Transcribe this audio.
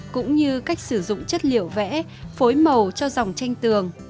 cũng như cách sử dụng chất liệu vẽ phối màu cho dòng tranh tường